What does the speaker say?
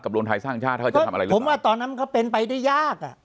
รวมไทยสร้างชาติถ้าจะทำอะไรเลยผมว่าตอนนั้นก็เป็นไปได้ยากอ่ะ